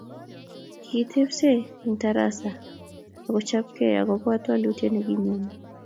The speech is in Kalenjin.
Kikitebse eng tarasa akechopkei akopa walutiet nekinyone